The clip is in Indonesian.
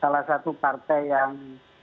salah satu partai yang